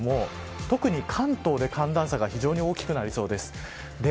特に、関東で、寒暖差が非常に大きくなりそうです。